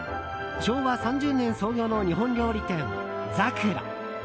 昭和３０年創業の日本料理店ざくろ。